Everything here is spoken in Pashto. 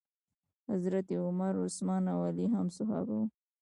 حضرت عمر، عثمان او علی هم صحابه وو.